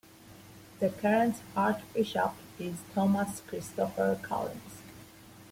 The current archbishop is Thomas Christopher Collins.